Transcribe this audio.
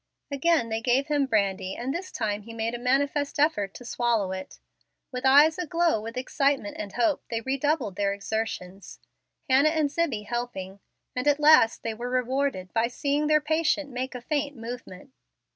Again they gave him brandy, and this time he made a manifest effort to swallow it. With eyes aglow with excitement and hope they re doubled their exertions, Hannah and Zibbie helping, and at last they were rewarded by seeing their patient make a faint movement.